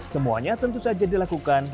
semuanya tentu saja dilakukan